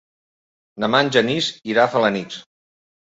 Demà en Genís irà a Felanitx.